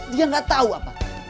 dia gak tahu apa